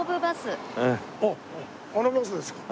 あっあのバスですか？